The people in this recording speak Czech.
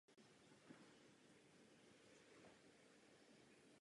Cena České akademie věd a umění mu byla udělena celkem třikrát.